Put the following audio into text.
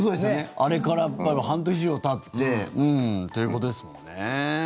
あれから半年以上たってということですもんね。